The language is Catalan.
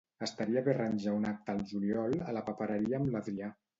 Estaria bé arranjar un acte al juliol a la papereria amb l'Adrià.